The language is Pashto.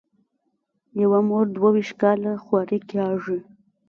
یوه مور دوه وېشت کاله خواري کاږي.